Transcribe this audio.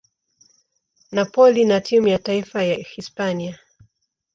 Napoli na timu ya taifa ya Hispania.